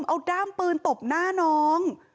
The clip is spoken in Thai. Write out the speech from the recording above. เอาด้ามปืนตบหน้าน้อง